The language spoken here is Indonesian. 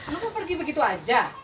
lo mau pergi begitu aja